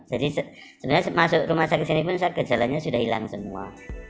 jadi sebenarnya masuk rumah sakit sini pun saat gejalanya sudah hilang semua